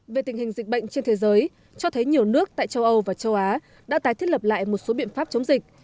về tình hình dịch bệnh trên thế giới cho thấy nhiều nước tại châu âu và châu á đã tái thiết lập lại một số biện pháp chống dịch